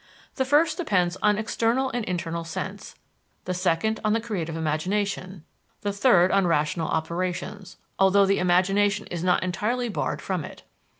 The first depends on external and internal sense, the second on the creative imagination, the third on rational operations, although the imagination is not entirely barred from it.